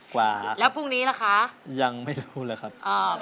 กว่าแล้วพรุ่งนี้ล่ะคะยังไม่รู้เลยครับ